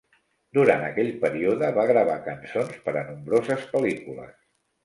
Durant aquell període va gravar cançons per a nombroses pel·lícules.